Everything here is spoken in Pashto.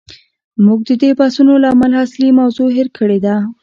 موږ د دې بحثونو له امله اصلي موضوع هیر کړې ده.